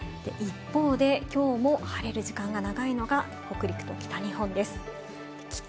一方できょうも晴れる時間が長いのが北陸と北日本です。